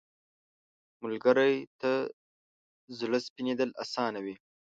ملګری ته زړه سپینېدل اسانه وي